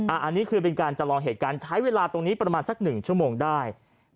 อันนี้คือเป็นการจำลองเหตุการณ์ใช้เวลาตรงนี้ประมาณสัก๑ชั่วโมงได้